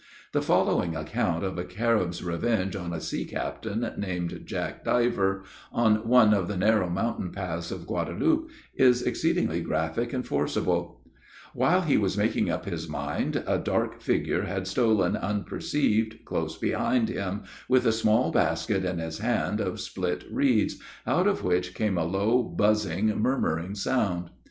The following account of a Carib's revenge on a sea captain, named Jack Diver, on one of the narrow mountain paths of Guadaloupe, is exceedingly graphic and forcible: While he was making up his mind, a dark figure had stolen unperceived close behind him, with a small basket in his hand of split reeds, out of which came a low buzzing, murmuring sound.